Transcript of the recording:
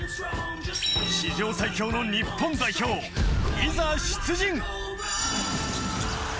史上最強の日本代表、いざ出陣！